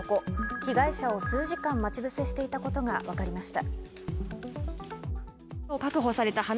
被害者を数時間待ち伏せしていたことがわかりました。